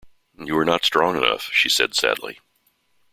"You are not strong enough," she said sadly.